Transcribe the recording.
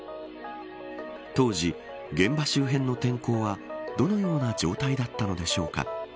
当時、現場周辺の天候はどのような状態だったのでしょうか。